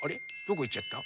どこいっちゃった？